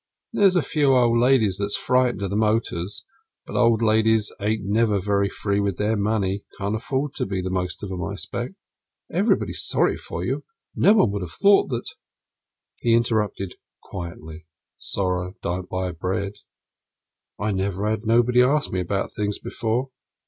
And there's a few old ladies that's frightened of the motors, but old ladies aren't never very free with their money can't afford to be, the most of them, I expect." "Everybody's sorry for you; one would have thought that " He interrupted quietly: "Sorrow don't buy bread .... I never had nobody ask me about things before."